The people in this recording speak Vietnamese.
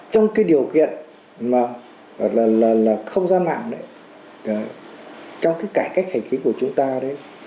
trong cái điều kiện mà không ra mạng đấy trong cái cải cách hành chính của chúng ta đấy